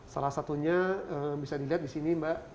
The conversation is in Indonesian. salah satunya bisa dilihat di sini mbak